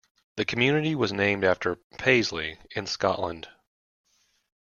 The community was named after Paisley, in Scotland.